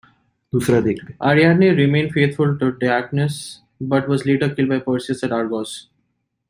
Ariadne remained faithful to Dionysus but was later killed by Perseus at Argos.